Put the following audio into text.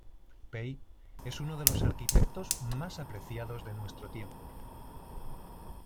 Pei es uno de los arquitectos más apreciados de nuestro tiempo.